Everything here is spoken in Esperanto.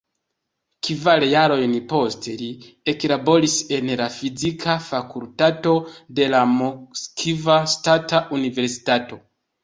Kvar jarojn poste, li eklaboris en la Fizika Fakultato de la Moskva Ŝtata Universitato.